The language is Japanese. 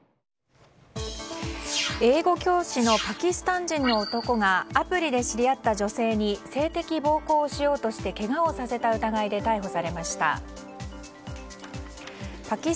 英語教師のパキスタン人の男がアプリで知り合った女性に性的暴行をしようとしてけがをさせようとした疑いで逮捕されました。